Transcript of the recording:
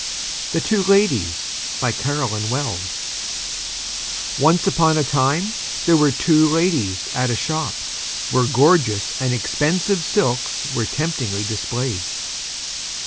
] THE TWO LADIES BY CAROLYN WELLS Once on a Time there were Two Ladies at a Shop where Gorgeous and Expensive Silks were temptingly displayed.